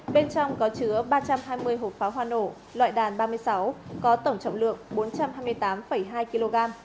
bên trong có chứa ba trăm hai mươi hộp pháo hoa nổ loại đàn ba mươi sáu có tổng trọng lượng bốn trăm hai mươi tám hai kg